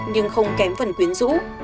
nhưng không kém phần quyến rũ